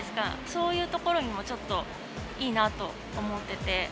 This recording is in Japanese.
そういうところにもちょっといいなぁと思ってて。